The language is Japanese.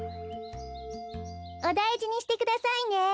おだいじにしてくださいね。